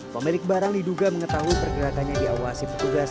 pemilik barang diduga mengetahui pergerakannya diawasi petugas